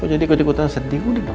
kok jadi kau ikutan sedih gue nih dong